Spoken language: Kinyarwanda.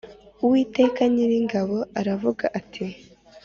Uwiteka Nyiringabo aravuga ati